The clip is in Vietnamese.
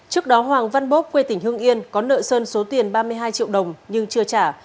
trước đó hoàng văn bốp quê tỉnh hương yên có nợ sơn số tiền ba mươi hai triệu đồng nhưng chưa trả